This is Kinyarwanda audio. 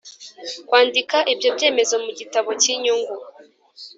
Kwandika ibyo byemezo mu gitabo cy inyungu